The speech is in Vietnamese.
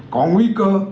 có nguy cơ